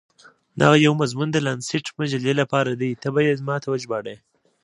دغه یو مضمون د لانسیټ مجلې لپاره دی، ته به يې ما ته وژباړې.